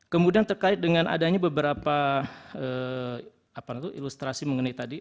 kemudian terkait dengan adanya beberapa ilustrasi mengenai tadi